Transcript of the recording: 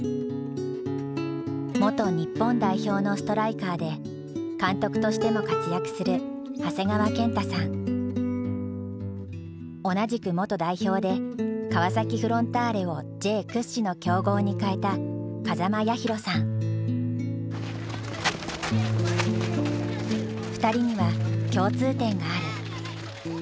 元日本代表のストライカーで監督としても活躍する同じく元代表で川崎フロンターレをＪ屈指の強豪に変えた２人には共通点がある。